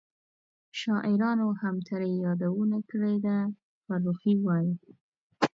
شاعرانو هم ترې یادونه کړې ده. فرخي وایي: